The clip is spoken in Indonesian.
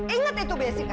ingat itu jessica